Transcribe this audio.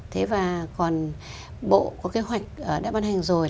thế và còn bộ có kế hoạch đã ban hành rồi